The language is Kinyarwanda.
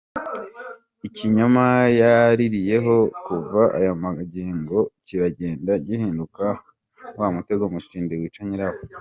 Ikinyoma yaririyeho kuva aya magingo kiragenda gihinduka wa mutego mutindi wica nyirawo.